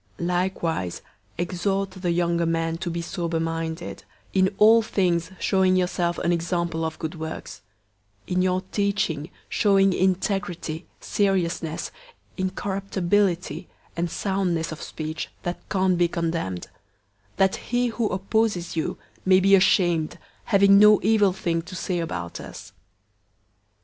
002:006 Likewise, exhort the younger men to be sober minded; 002:007 in all things showing yourself an example of good works; in your teaching showing integrity, seriousness, incorruptibility, 002:008 and soundness of speech that can't be condemned; that he who opposes you may be ashamed, having no evil thing to say about us.